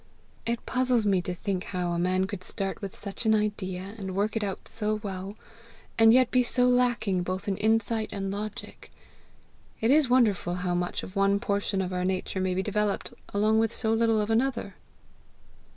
It puzzles me to think how a man could start with such an idea, and work it out so well, and yet be so lacking both in insight and logic. It is wonderful how much of one portion of our nature may be developed along with so little of another!"